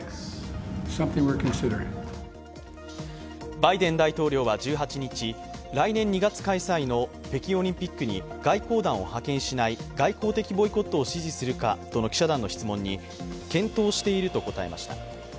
バイデン大統領は１８日来年２月開催の北京冬季オリンピックに外交団を派遣しない外交的ボイコットを支持するかとの記者団の質問に、検討していると答えました。